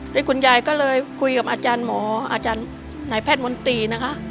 แล้วคุณยายก็เลยคุยกับอาจารย์หมออาจารย์นายแพทย์มนตรีนะคะ